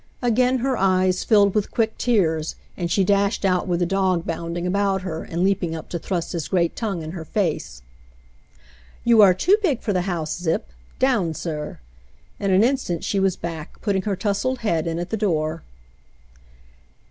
Again her eyes filled with quick tears, and she dashed out with the dog bounding about her and leaping up to thrust his great tongue in her face. "You are too big for the house. Zip. Down, sir!" In an instant she was back, putting her tousled head in at the door.